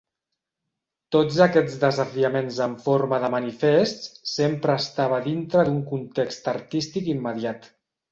Tots aquests desafiaments en forma de manifests sempre estava dintre d'un context artístic immediat.